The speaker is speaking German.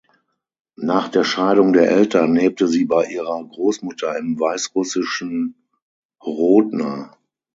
Nach der Scheidung der Eltern lebte sie bei ihrer Großmutter im weißrussischen Hrodna.